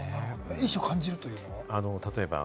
意志を感じるというのは？